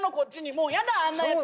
もうやだあんなやつ。